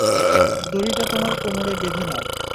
দড়িটা তোমার কোমরে বেঁধে নাও।